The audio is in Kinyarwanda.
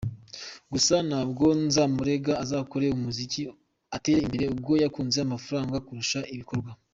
Gusa ntabwo nzamurega azakore umuziki atere imbere, ubwo yakunze amafaranga kurusha ibikorwa.